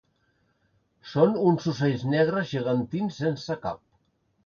Són uns ocells negres gegantins sense cap.